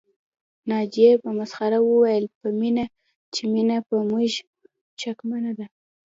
ناجيې په مسخره وويل چې مينه په موږ شکمنه ده